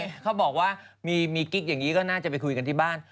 ใช่เขาบอกว่ามีกิ๊กอย่างนี้ก็น่าจะไปคุยกันที่บ้าน